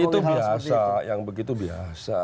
itu biasa yang begitu biasa